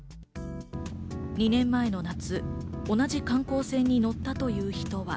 ２年前の夏、同じ観光船に乗ったという人は。